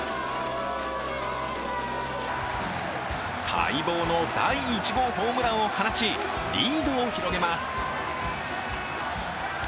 待望の第１号ホームランを放ちリードを広げます。